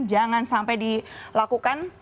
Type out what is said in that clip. jangan sampai dilakukan